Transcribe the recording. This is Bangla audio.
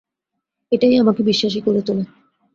এটাই আমাকে বিশ্বাসী করে তোলে।